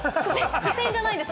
付箋じゃないです。